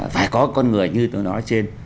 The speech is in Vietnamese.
phải có con người như tôi nói trên